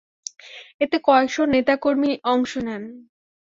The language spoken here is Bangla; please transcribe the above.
এতে কয়েক শ নেতা কর্মী অংশ নেন।